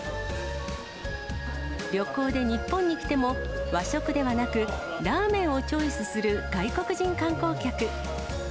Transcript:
旅行で日本に来ても、和食ではなく、ラーメンをチョイスする外国人観光客。